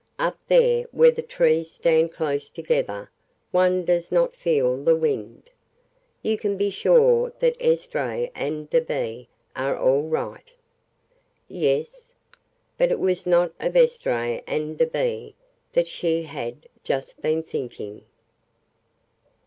"Up there where the trees stand close together one does not feel the wind. You can be sure that Esdras and Da'Be are all right." "Yes?" But it was not of Esdras and Da'Be that she had just been thinking.